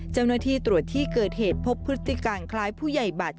เจ้าหน้าที่ตรวจที่เกิดเหตุพบพฤติการคล้ายผู้ใหญ่บัตร